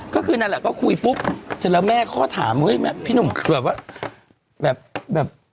ก็คือนั่นแหละก็คุยปุ๊บเสร็จแล้วแม่ก็ถามพี่หนุ่มเกือบว่าแบบแบบ